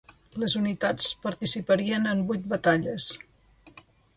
Les unitats participarien en vuit batalles.